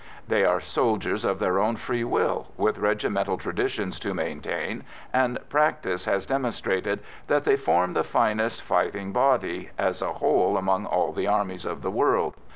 They are soldiers of their own free will, with regimental traditions to maintain, and practice has demonstrated that they form the finest fighting body, as a whole, among all the armies of the world.